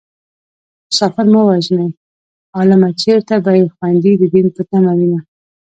مسافر مه وژنئ عالمه چېرته به يې خويندې د دين په تمه وينه